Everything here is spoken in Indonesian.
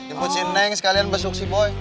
ibu cinneng sekalian besok sih boy